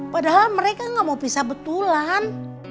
padahal mereka nggak mau pisah betulan